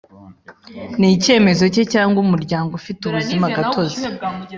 Ni icyemezo cye cyangwa umuryango ufite ubuzimagatozi